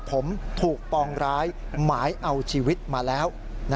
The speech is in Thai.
ผมถูกปองร้ายหมายเอาชีวิตมาแล้ว